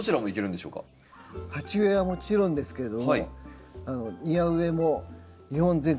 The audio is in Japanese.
鉢植えはもちろんですけれども庭植えも日本全国